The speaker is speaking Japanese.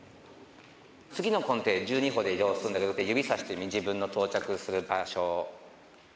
次のコンテへ１２歩で移動するんだけど、指さしてみ、自分の到着する場所。